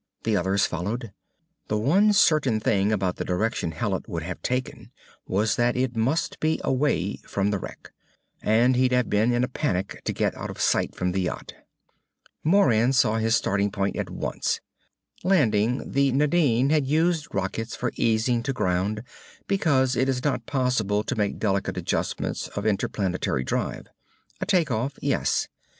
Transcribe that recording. The others followed. The one certain thing about the direction Hallet would have taken was that it must be away from the wreck. And he'd have been in a panic to get out of sight from the yacht. Moran saw his starting point at once. Landing, the Nadine had used rockets for easing to ground because it is not possible to make delicate adjustments of interplanetary drive. A take off, yes.